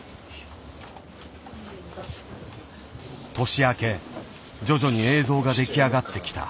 年明け徐々に映像が出来上がってきた。